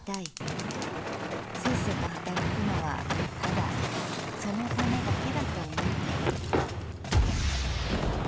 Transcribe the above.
せっせと働くのはただそのためだけだと思っている」。